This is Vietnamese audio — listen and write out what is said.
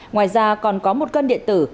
ngoài ra còn có một cân điện thoại